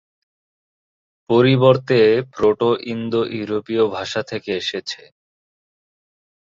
পরিবর্তে প্রোটো-ইন্দো-ইউরোপীয় ভাষা থেকে এসেছে।